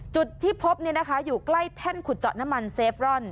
จุดที่พบอยู่ใกล้แท่นขุดเจาะน้ำมันเซฟรอน